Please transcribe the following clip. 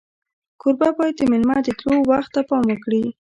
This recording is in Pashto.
کوربه باید د میلمه د تلو وخت ته پام وکړي.